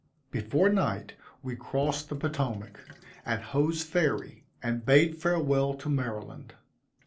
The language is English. Before night we crossed the Potomac, at Hoe's Ferry, and bade farewell to Maryland.